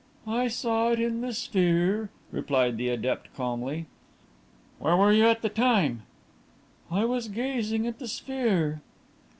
"I saw it in the sphere," replied the adept calmly. "Where were you at the time?" "I was gazing at the sphere."